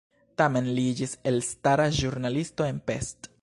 Tamen li iĝis elstara ĵurnalisto en Pest.